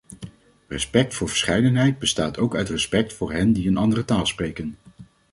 Respect voor verscheidenheid, bestaat ook uit respect voor hen die een andere taal spreken.